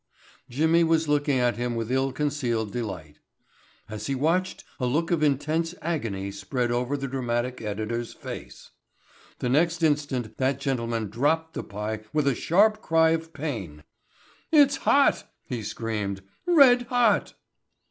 Jimmy was looking at him with ill concealed delight. As he watched a look of intense agony spread over the dramatic editor's face. The next instant that gentleman dropped the pie with a sharp cry of pain. "It's hot," he screamed, "red hot!"